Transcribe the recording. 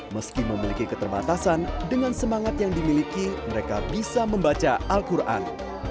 meski memiliki keterbatasan dengan semangat yang dimiliki mereka bisa membaca al quran